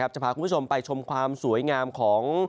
จะพาคุณผู้ชมไปชมความสวยงามของ